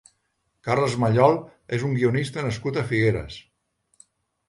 Carles Mallol és un guionista nascut a Figueres.